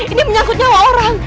ini menyangkut nyawa orang